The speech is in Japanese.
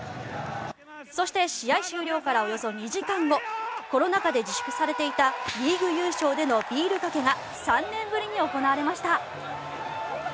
そして、試合終了からおよそ２時間後コロナ禍で自粛されていたリーグ優勝でのビールかけが３年ぶりの行われました。